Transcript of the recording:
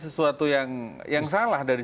sesuatu yang salah dari